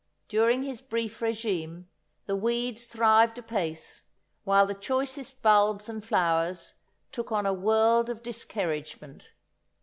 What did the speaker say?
During his brief régime the weeds thrived apace, while the choicest bulbs and flowers took on a world of diskerridgement.